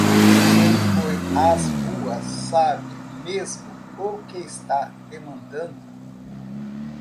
Quem foi às ruas sabe mesmo o que está demandando?